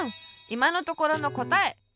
いまのところのこたえ。